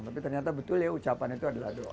tapi ternyata betul ya ucapan itu adalah doa